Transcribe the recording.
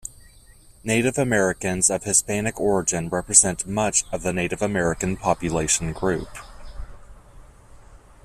Native Americans of Hispanic origin represent much of the Native American population group.